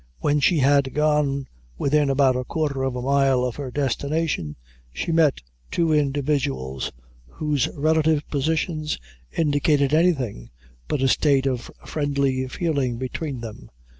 When she had gone within about a quarter of a mile of her destination, she met two individuals, whose relative positions indicated anything but a state of friendly feeling between them.